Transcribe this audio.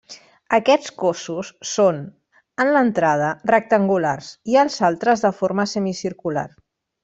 Aquests cossos són, en l'entrada, rectangulars i els altres de forma semicircular.